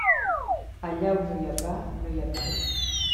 Allà on no hi ha pa no hi ha pau.